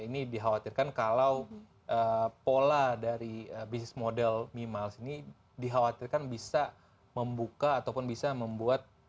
ini dikhawatirkan kalau pola dari bisnis model mimiles ini dikhawatirkan bisa membuka ataupun bisa membuat